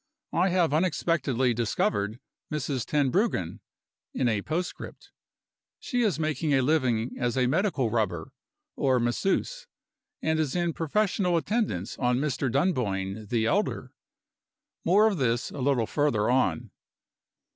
I have unexpectedly discovered Mrs. Tenbruggen in a postscript. She is making a living as a Medical Rubber (or Masseuse), and is in professional attendance on Mr. Dunboyne the elder. More of this, a little further on.